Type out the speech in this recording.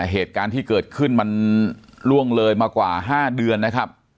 เหตุการณ์ที่เกิดขึ้นมันล่วงเลยมากว่า๕เดือนนะครับ